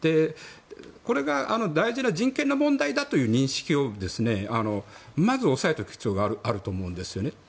これが大事な人権の問題だという認識をまず、抑えていく必要があると思うんですよね。